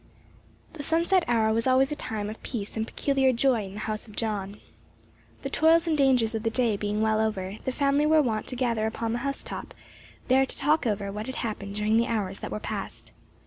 The sunset hour was always a time of peace and peculiar joy in the house of John. The toils and dangers of the day being well over, the family were wont to gather upon the housetop, there to talk over what had happened during the hours that were passed.